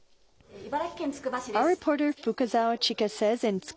茨城県つくば市です。